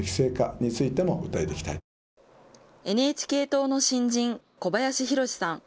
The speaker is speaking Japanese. ＮＨＫ党の新人、小林宏さん。